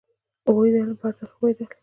هغوی د علم په ارزښت ښه پوهېدل.